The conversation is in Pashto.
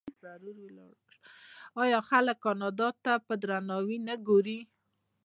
آیا خلک کاناډا ته په درناوي نه ګوري؟